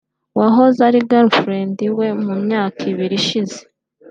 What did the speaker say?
wahoze ari girlfriend we mu myaka ibiri yashize